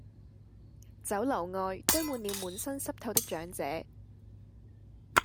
酒樓外堆滿了滿身濕透的長者